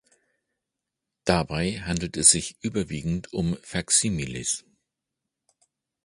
Dabei handelt es sich überwiegend um Faksimiles.